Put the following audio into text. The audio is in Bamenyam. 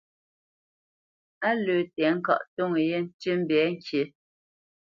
Á lə́ tɛ̌ŋkaʼ ntoŋə yé ntî mbɛ̌ ŋkǐ.